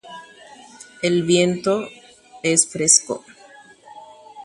Yvytukangy ombopiro'y